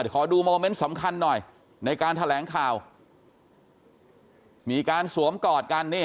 ขอดูโมเมนต์สำคัญหน่อยในการแถลงข่าวมีการสวมกอดกันนี่